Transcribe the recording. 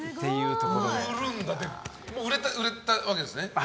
もう売れたわけですね。